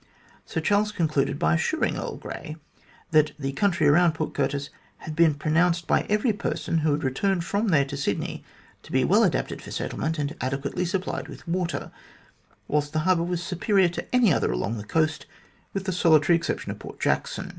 Sir Charles concluded by assuring Earl Grey that the country around Port Curtis had been pronounced by every person who had returned from there to Sydney to be well adapted for settlement and adequately supplied with water, whilst the harbour was superior to any other along the coast, with the solitary exception of Port Jackson.